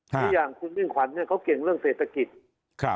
คืออย่างคุณมิ่งขวัญเนี่ยเขาเก่งเรื่องเศรษฐกิจ